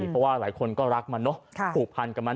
เพราะว่าหลายคนก็รักมันเนอะผูกพันกับมัน